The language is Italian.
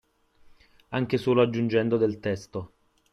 Anche solo aggiungendo del testo